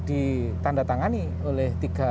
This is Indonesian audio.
ditandatangani oleh tiga